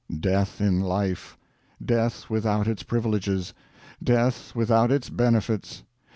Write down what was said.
Death in life; death without its privileges, death without its benefits.